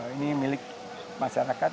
ini milik masyarakat